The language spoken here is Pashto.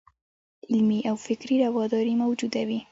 علمي او فکري راوداري موجوده وي.